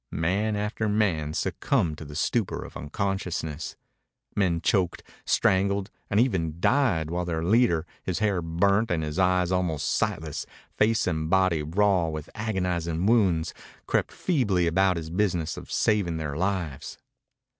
Man after man succumbed to the stupor of unconsciousness. Men choked, strangled, and even died while their leader, his hair burnt and his eyes almost sightless, face and body raw with agonizing wounds, crept feebly about his business of saving their lives.